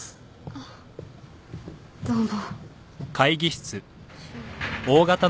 あっどうも。